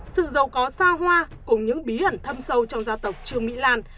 sự giàu có xa hoa cùng những bí ẩn thâm sâu trong gia tộc trương mỹ lan